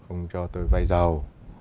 ông cho tôi vay giàu